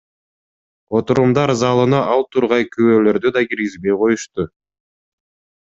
Отурумдар залына ал тургай күбөлөрдү да киргизбей коюшту!